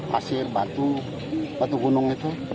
hasil batu batu gunung itu